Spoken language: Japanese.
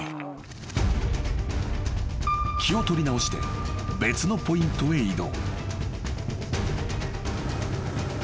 ［気を取り直して別のポイントへ移動］